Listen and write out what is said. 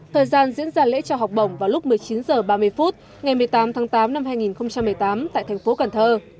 thời gian diễn ra lễ trao học bổng vào lúc một mươi chín h ba mươi phút ngày một mươi tám tháng tám năm hai nghìn một mươi tám tại thành phố cần thơ